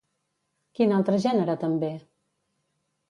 Quin altre gènere també?